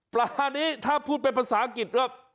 ปลานี้ถ้าพูดเป็นภาษาอังกฤษก็